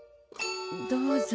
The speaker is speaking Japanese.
どうぞ。